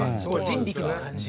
人力の感じ